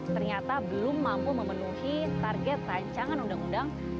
ternyata belum mampu memenuhi target rancangan undang undang